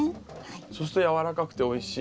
そうすると軟らかくておいしい。